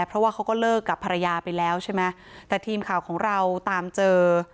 เพราะว่าเขาก็เลิกกับภรรยาไปแล้วใช่ไหมแต่ทีมข่าวของเราตามเจอ